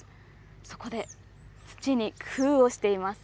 そこで、土に工夫をしています。